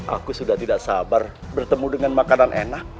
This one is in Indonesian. aku sudah tidak sabar bertemu dengan makanan enak